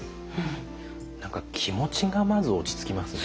何か気持ちがまず落ち着きますね。